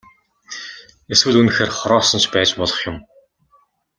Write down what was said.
Эсвэл үнэхээр хороосон ч байж болох юм.